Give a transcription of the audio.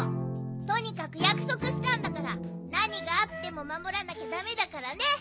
とにかくやくそくしたんだからなにがあってもまもらなきゃだめだからね！